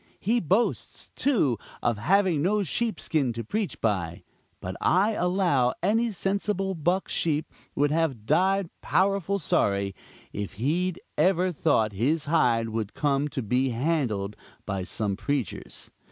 He boasts, too, of having no sheepskin to preach by; but I allow any sensible buck sheep would have died powerful sorry, if he'd ever thought his hide would come to be handled by some preachers.